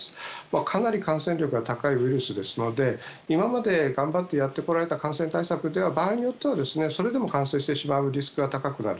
かなり感染力が高いウイルスですので今まで頑張ってやってこられた感染対策では、それでも場合によっては、それでも感染してしまうリスクが高くなる。